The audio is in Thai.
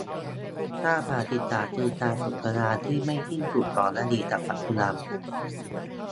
ถ้าประวัติศาสตร์คือการสนทนาที่ไม่สิ้นสุดของอดีตกับปัจจุบัน